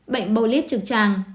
bệnh bolip trực tràng